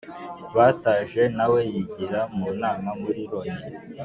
bataje nawe yigira mu nama muri loni.